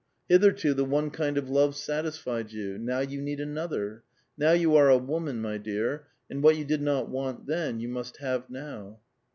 Hitherto the one kind of love satisfied vou ; now you need another. Now you are a woman, my dear, and what you did not want then, you must have now."